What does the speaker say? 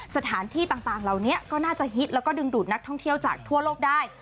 สถานที่ต่างเหล่านี้ก็น่าจะฮิตแล้วก็ดึงดูดนักท่องเที่ยวจากทั่วโลกได้